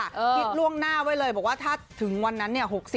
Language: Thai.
คิดล่วงหน้าไว้เลยบอกว่าถ้าถึงวันนั้นเนี่ย